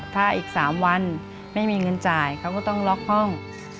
ถ้าอีก๓วันไม่มีเงินจ่ายเขาก็ต้องล็อกห้อง